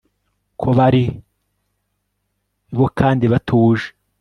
Ko bari bo kandi batuje